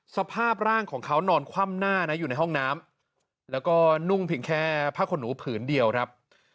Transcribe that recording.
สภาพร่างของเขานอนคว่ำหน้านะอยู่ในห้องน้ำแล้วก็นุ่งเพียงแค่ผ้าขนหนูผืนเดียวครับ